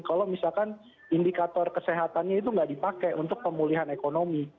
kalau misalkan indikator kesehatannya itu nggak dipakai untuk pemulihan ekonomi